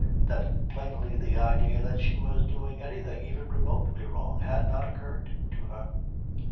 that plainly the idea that she was doing anything even remotely wrong had not occurred to her.